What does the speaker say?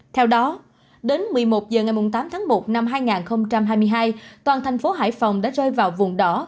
theo đó đến một mươi một h ngày tám tháng một năm hai nghìn hai mươi hai toàn thành phố hải phòng đã rơi vào vùng đỏ